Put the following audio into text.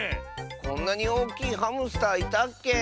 こんなにおおきいハムスターいたっけ？